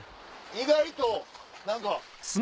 意外と何か。